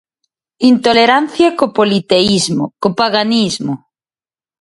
Intolerancia co politeísmo, co paganismo.